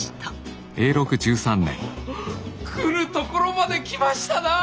来るところまで来ましたなあ！